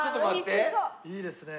いいですね。